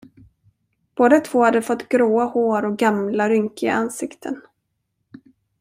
Båda två hade fått gråa hår och gamla, rynkiga ansikten.